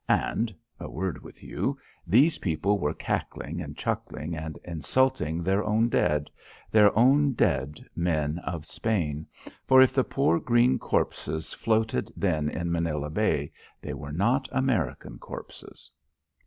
And a word with you these people were cackling and chuckling and insulting their own dead, their own dead men of Spain, for if the poor green corpses floated then in Manila Bay they were not American corpses.